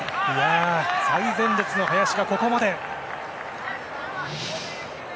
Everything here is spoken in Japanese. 最前列の林が、ここまで。